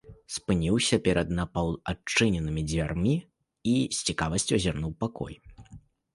Спыніўся перад напаўадчыненымі дзвярмі і з цікавасцю азірнуў пакой.